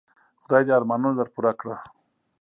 خدای دي ارمانونه در پوره کړه .